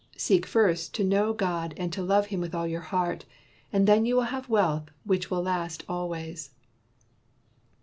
Seek first to know God and to love him with all your heart, and then you will have wealth which will last al ways."